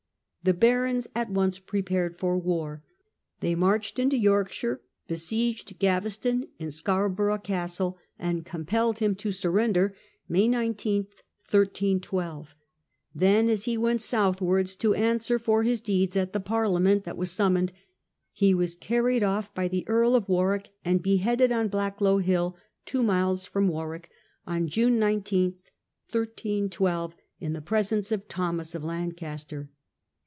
The barons at once prepared for war. They marched into Yorkshire, besieged Gaveston in Scarborough Castle, and compelled him to surrender. May 19, 131 2. Then, as he went south wards to answer for his deeds at the parlia The murder ment that was summoned, he was carried off ©f Gaveston. by the Earl of Warwick and beheaded on Blacklow Hill, two miles from Warwick, on June 19, 13 12, in the pre sence of Thomas of Lancaster.